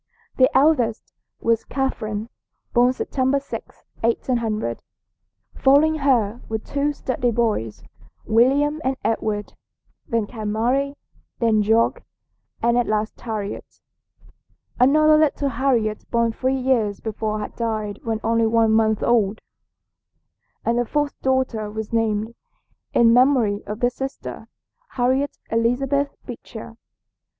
The eldest was Catherine, born September 6, 1800. Following her were two sturdy boys, William and Edward; then came Mary, then George, and at last Harriet. Another little Harriet born three years before had died when only one month old, and the fourth daughter was named, in memory of this sister, Harriet Elizabeth Beecher.